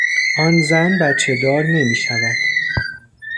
آن زن بچهدار نمیشود.